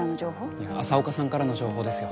いや朝岡さんからの情報ですよ。